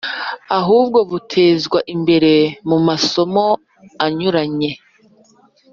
ahubwo butezwa imbere mu masomo anyuranye,